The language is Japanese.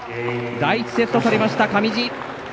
第１セットとりました、上地。